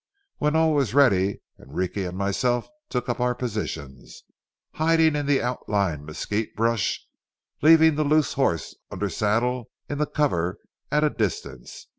When all was ready, Enrique and myself took up our positions, hiding in the outlying mesquite brush; leaving the loose horses under saddle in the cover at a distance.